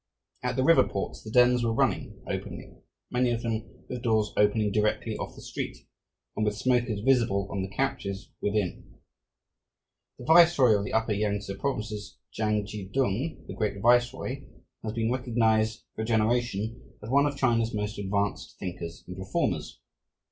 At the river ports the dens were running openly, many of them with doors opening directly off the street and with smokers visible on the couches within. The viceroy of the upper Yangtse provinces, Chang chi tung, "the Great Viceroy," has been recognized for a generation as one of China's most advanced thinkers and reformers.